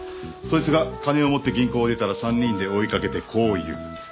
そいつが金を持って銀行を出たら３人で追い掛けてこう言う。